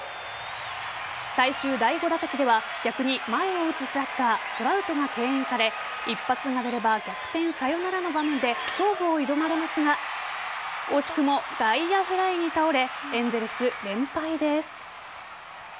最終第５打席では逆に前を打つスラッガートラウトが敬遠され一発が出れば逆転サヨナラの場面で勝負を挑まれますが惜しくも外野フライに倒れエンゼルス、連敗です。